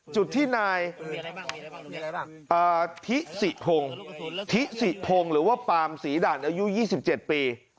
จุดที่นายอ่าทิศิพงหรือว่าปาล์มศรีดันอายุ๒๗ปี